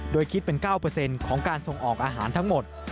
โดยคิดเป็น๙ของการส่งออกอาหารทั้งหมด